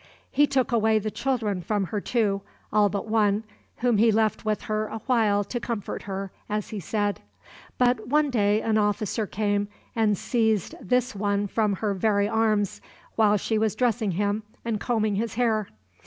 He took away the children from her too, all but one, whom he left with her a while to comfort her, as he said; but one day an officer came and seized this one from her very arms, while she was dressing him and combing his hair.